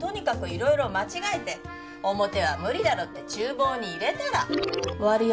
色々間違えて表は無理だろうって厨房に入れたら割合